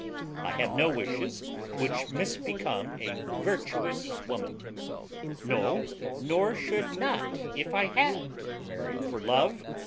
I have no wishes which misbecome a virtuous woman. No, nor should not, if I had married for love.